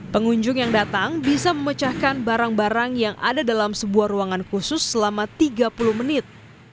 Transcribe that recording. pengunjung yang datang bisa memecahkan barang barang yang ada dalam sebuah ruangan khusus selama tiga puluh menit